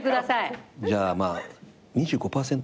じゃあまあ２５％ぐらい。